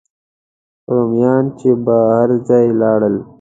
رومیان چې به هر ځای لاړل.